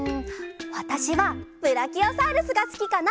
わたしはブラキオサウルスがすきかな！